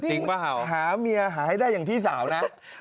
เออจริงป่ะเหรอพี่หาเมียหาให้ได้อย่างพี่สาวนะ